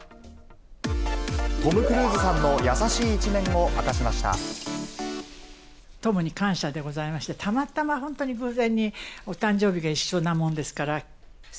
トム・クルーズさんの優しいトムに感謝でございまして、たまたま本当に偶然にお誕生日が一緒なもんですから。